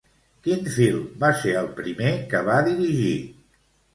Quin film va ser el primer que va dirigir?